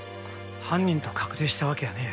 犯人と確定したわけやねえ。